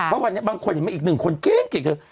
เพราะวันนี้บางคนมีอีกหนึ่งคนเกร็งเกร็งเลย